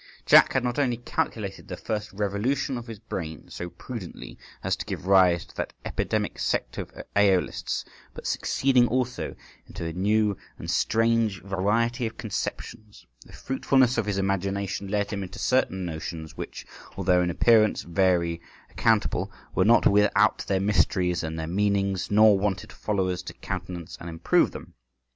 Jack had not only calculated the first revolution of his brain so prudently as to give rise to that epidemic sect of Æolists, but succeeding also into a new and strange variety of conceptions, the fruitfulness of his imagination led him into certain notions which, although in appearance very unaccountable, were not without their mysteries and their meanings, nor wanted followers to countenance and improve them.